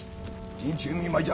陣中見舞いじゃ。